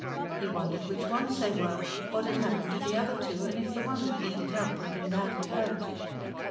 He wondered which ones they were, what had happened to the other two and if the one that needed help had been badly hurt.